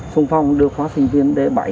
xuân phong đưa khóa sinh viên đ bảy